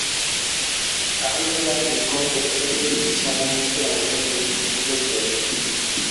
তাহলে কি আপনি ভয় করছেন যে, যিশারা মূর্তি আমাদের কোন ক্ষতি করবে।